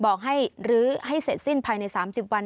บอกให้ลื้อให้เสร็จสิ้นภายใน๓๐วัน